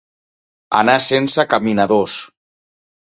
Anar sense caminadors.